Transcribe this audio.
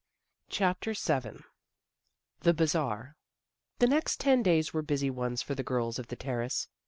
CHAPTER VII THE BAZAR THE next ten days were busy ones for the girls of the Terrace.